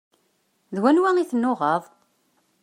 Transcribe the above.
D waniwa i tennuɣeḍ?